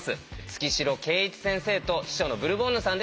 月城慶一先生と秘書のブルボンヌさんです。